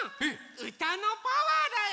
うたのパワーだよ！